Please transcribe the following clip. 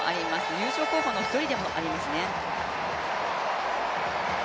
優勝候補の１人でもありますね。